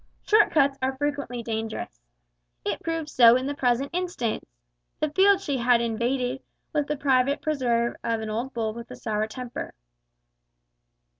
Short cuts are frequently dangerous. It proved so in the present instance. The field she had invaded was the private preserve of an old bull with a sour temper.